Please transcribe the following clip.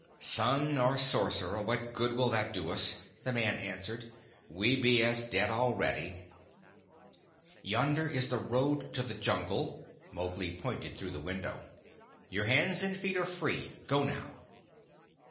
"Son or sorcerer, what good will that do us?" the man answered. "We be as dead already." "Yonder is the road to the Jungle" Mowgli pointed through the window. "Your hands and feet are free. Go now."